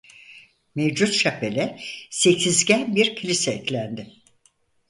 Mevcut şapele sekizgen bir kilise eklendi.